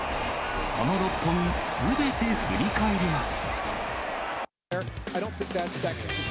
その６本すべて振り返ります。